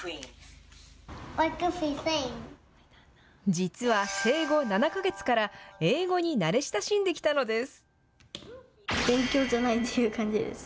実は生後７か月から英語に慣れ親しんできたのです。